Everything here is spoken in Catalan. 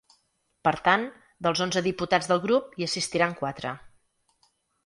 Per tant, dels onze diputats del grup hi assistiran quatre.